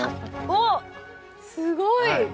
おっすごい！